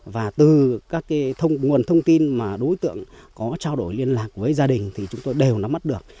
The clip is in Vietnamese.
và từ các nguồn thông tin mà đối tượng có trao đổi liên lạc với gia đình thì chúng tôi đều nắm mắt được